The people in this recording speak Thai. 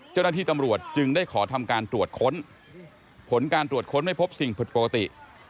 เจ้าหน้าที่ตำรวจจึงได้ขอทำการตรวจค้นผลการตรวจค้นไม่พบสิ่งผิดปกติ